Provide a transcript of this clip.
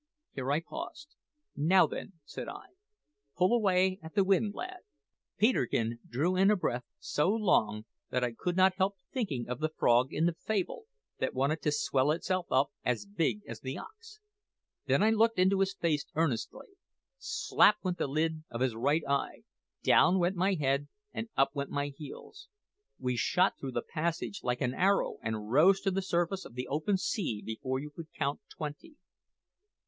Here I paused. `Now, then,' said I, `pull away at the wind, lad.' "Peterkin drew in a breath so long that I could not help thinking of the frog in the fable, that wanted to swell itself as big as the ox. Then I looked into his face earnestly. Slap went the lid of his right eye; down went my head, and up went my heels. We shot through the passage like an arrow, and rose to the surface of the open sea before you could count twenty.